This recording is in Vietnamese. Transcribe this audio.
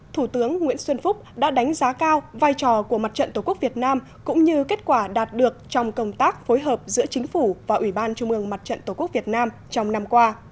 thủ tướng nguyễn xuân phúc đã đánh giá cao vai trò của mặt trận tổ quốc việt nam cũng như kết quả đạt được trong công tác phối hợp giữa chính phủ và ủy ban trung ương mặt trận tổ quốc việt nam trong năm qua